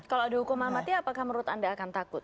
kalau ada hukuman mati apakah menurut anda akan takut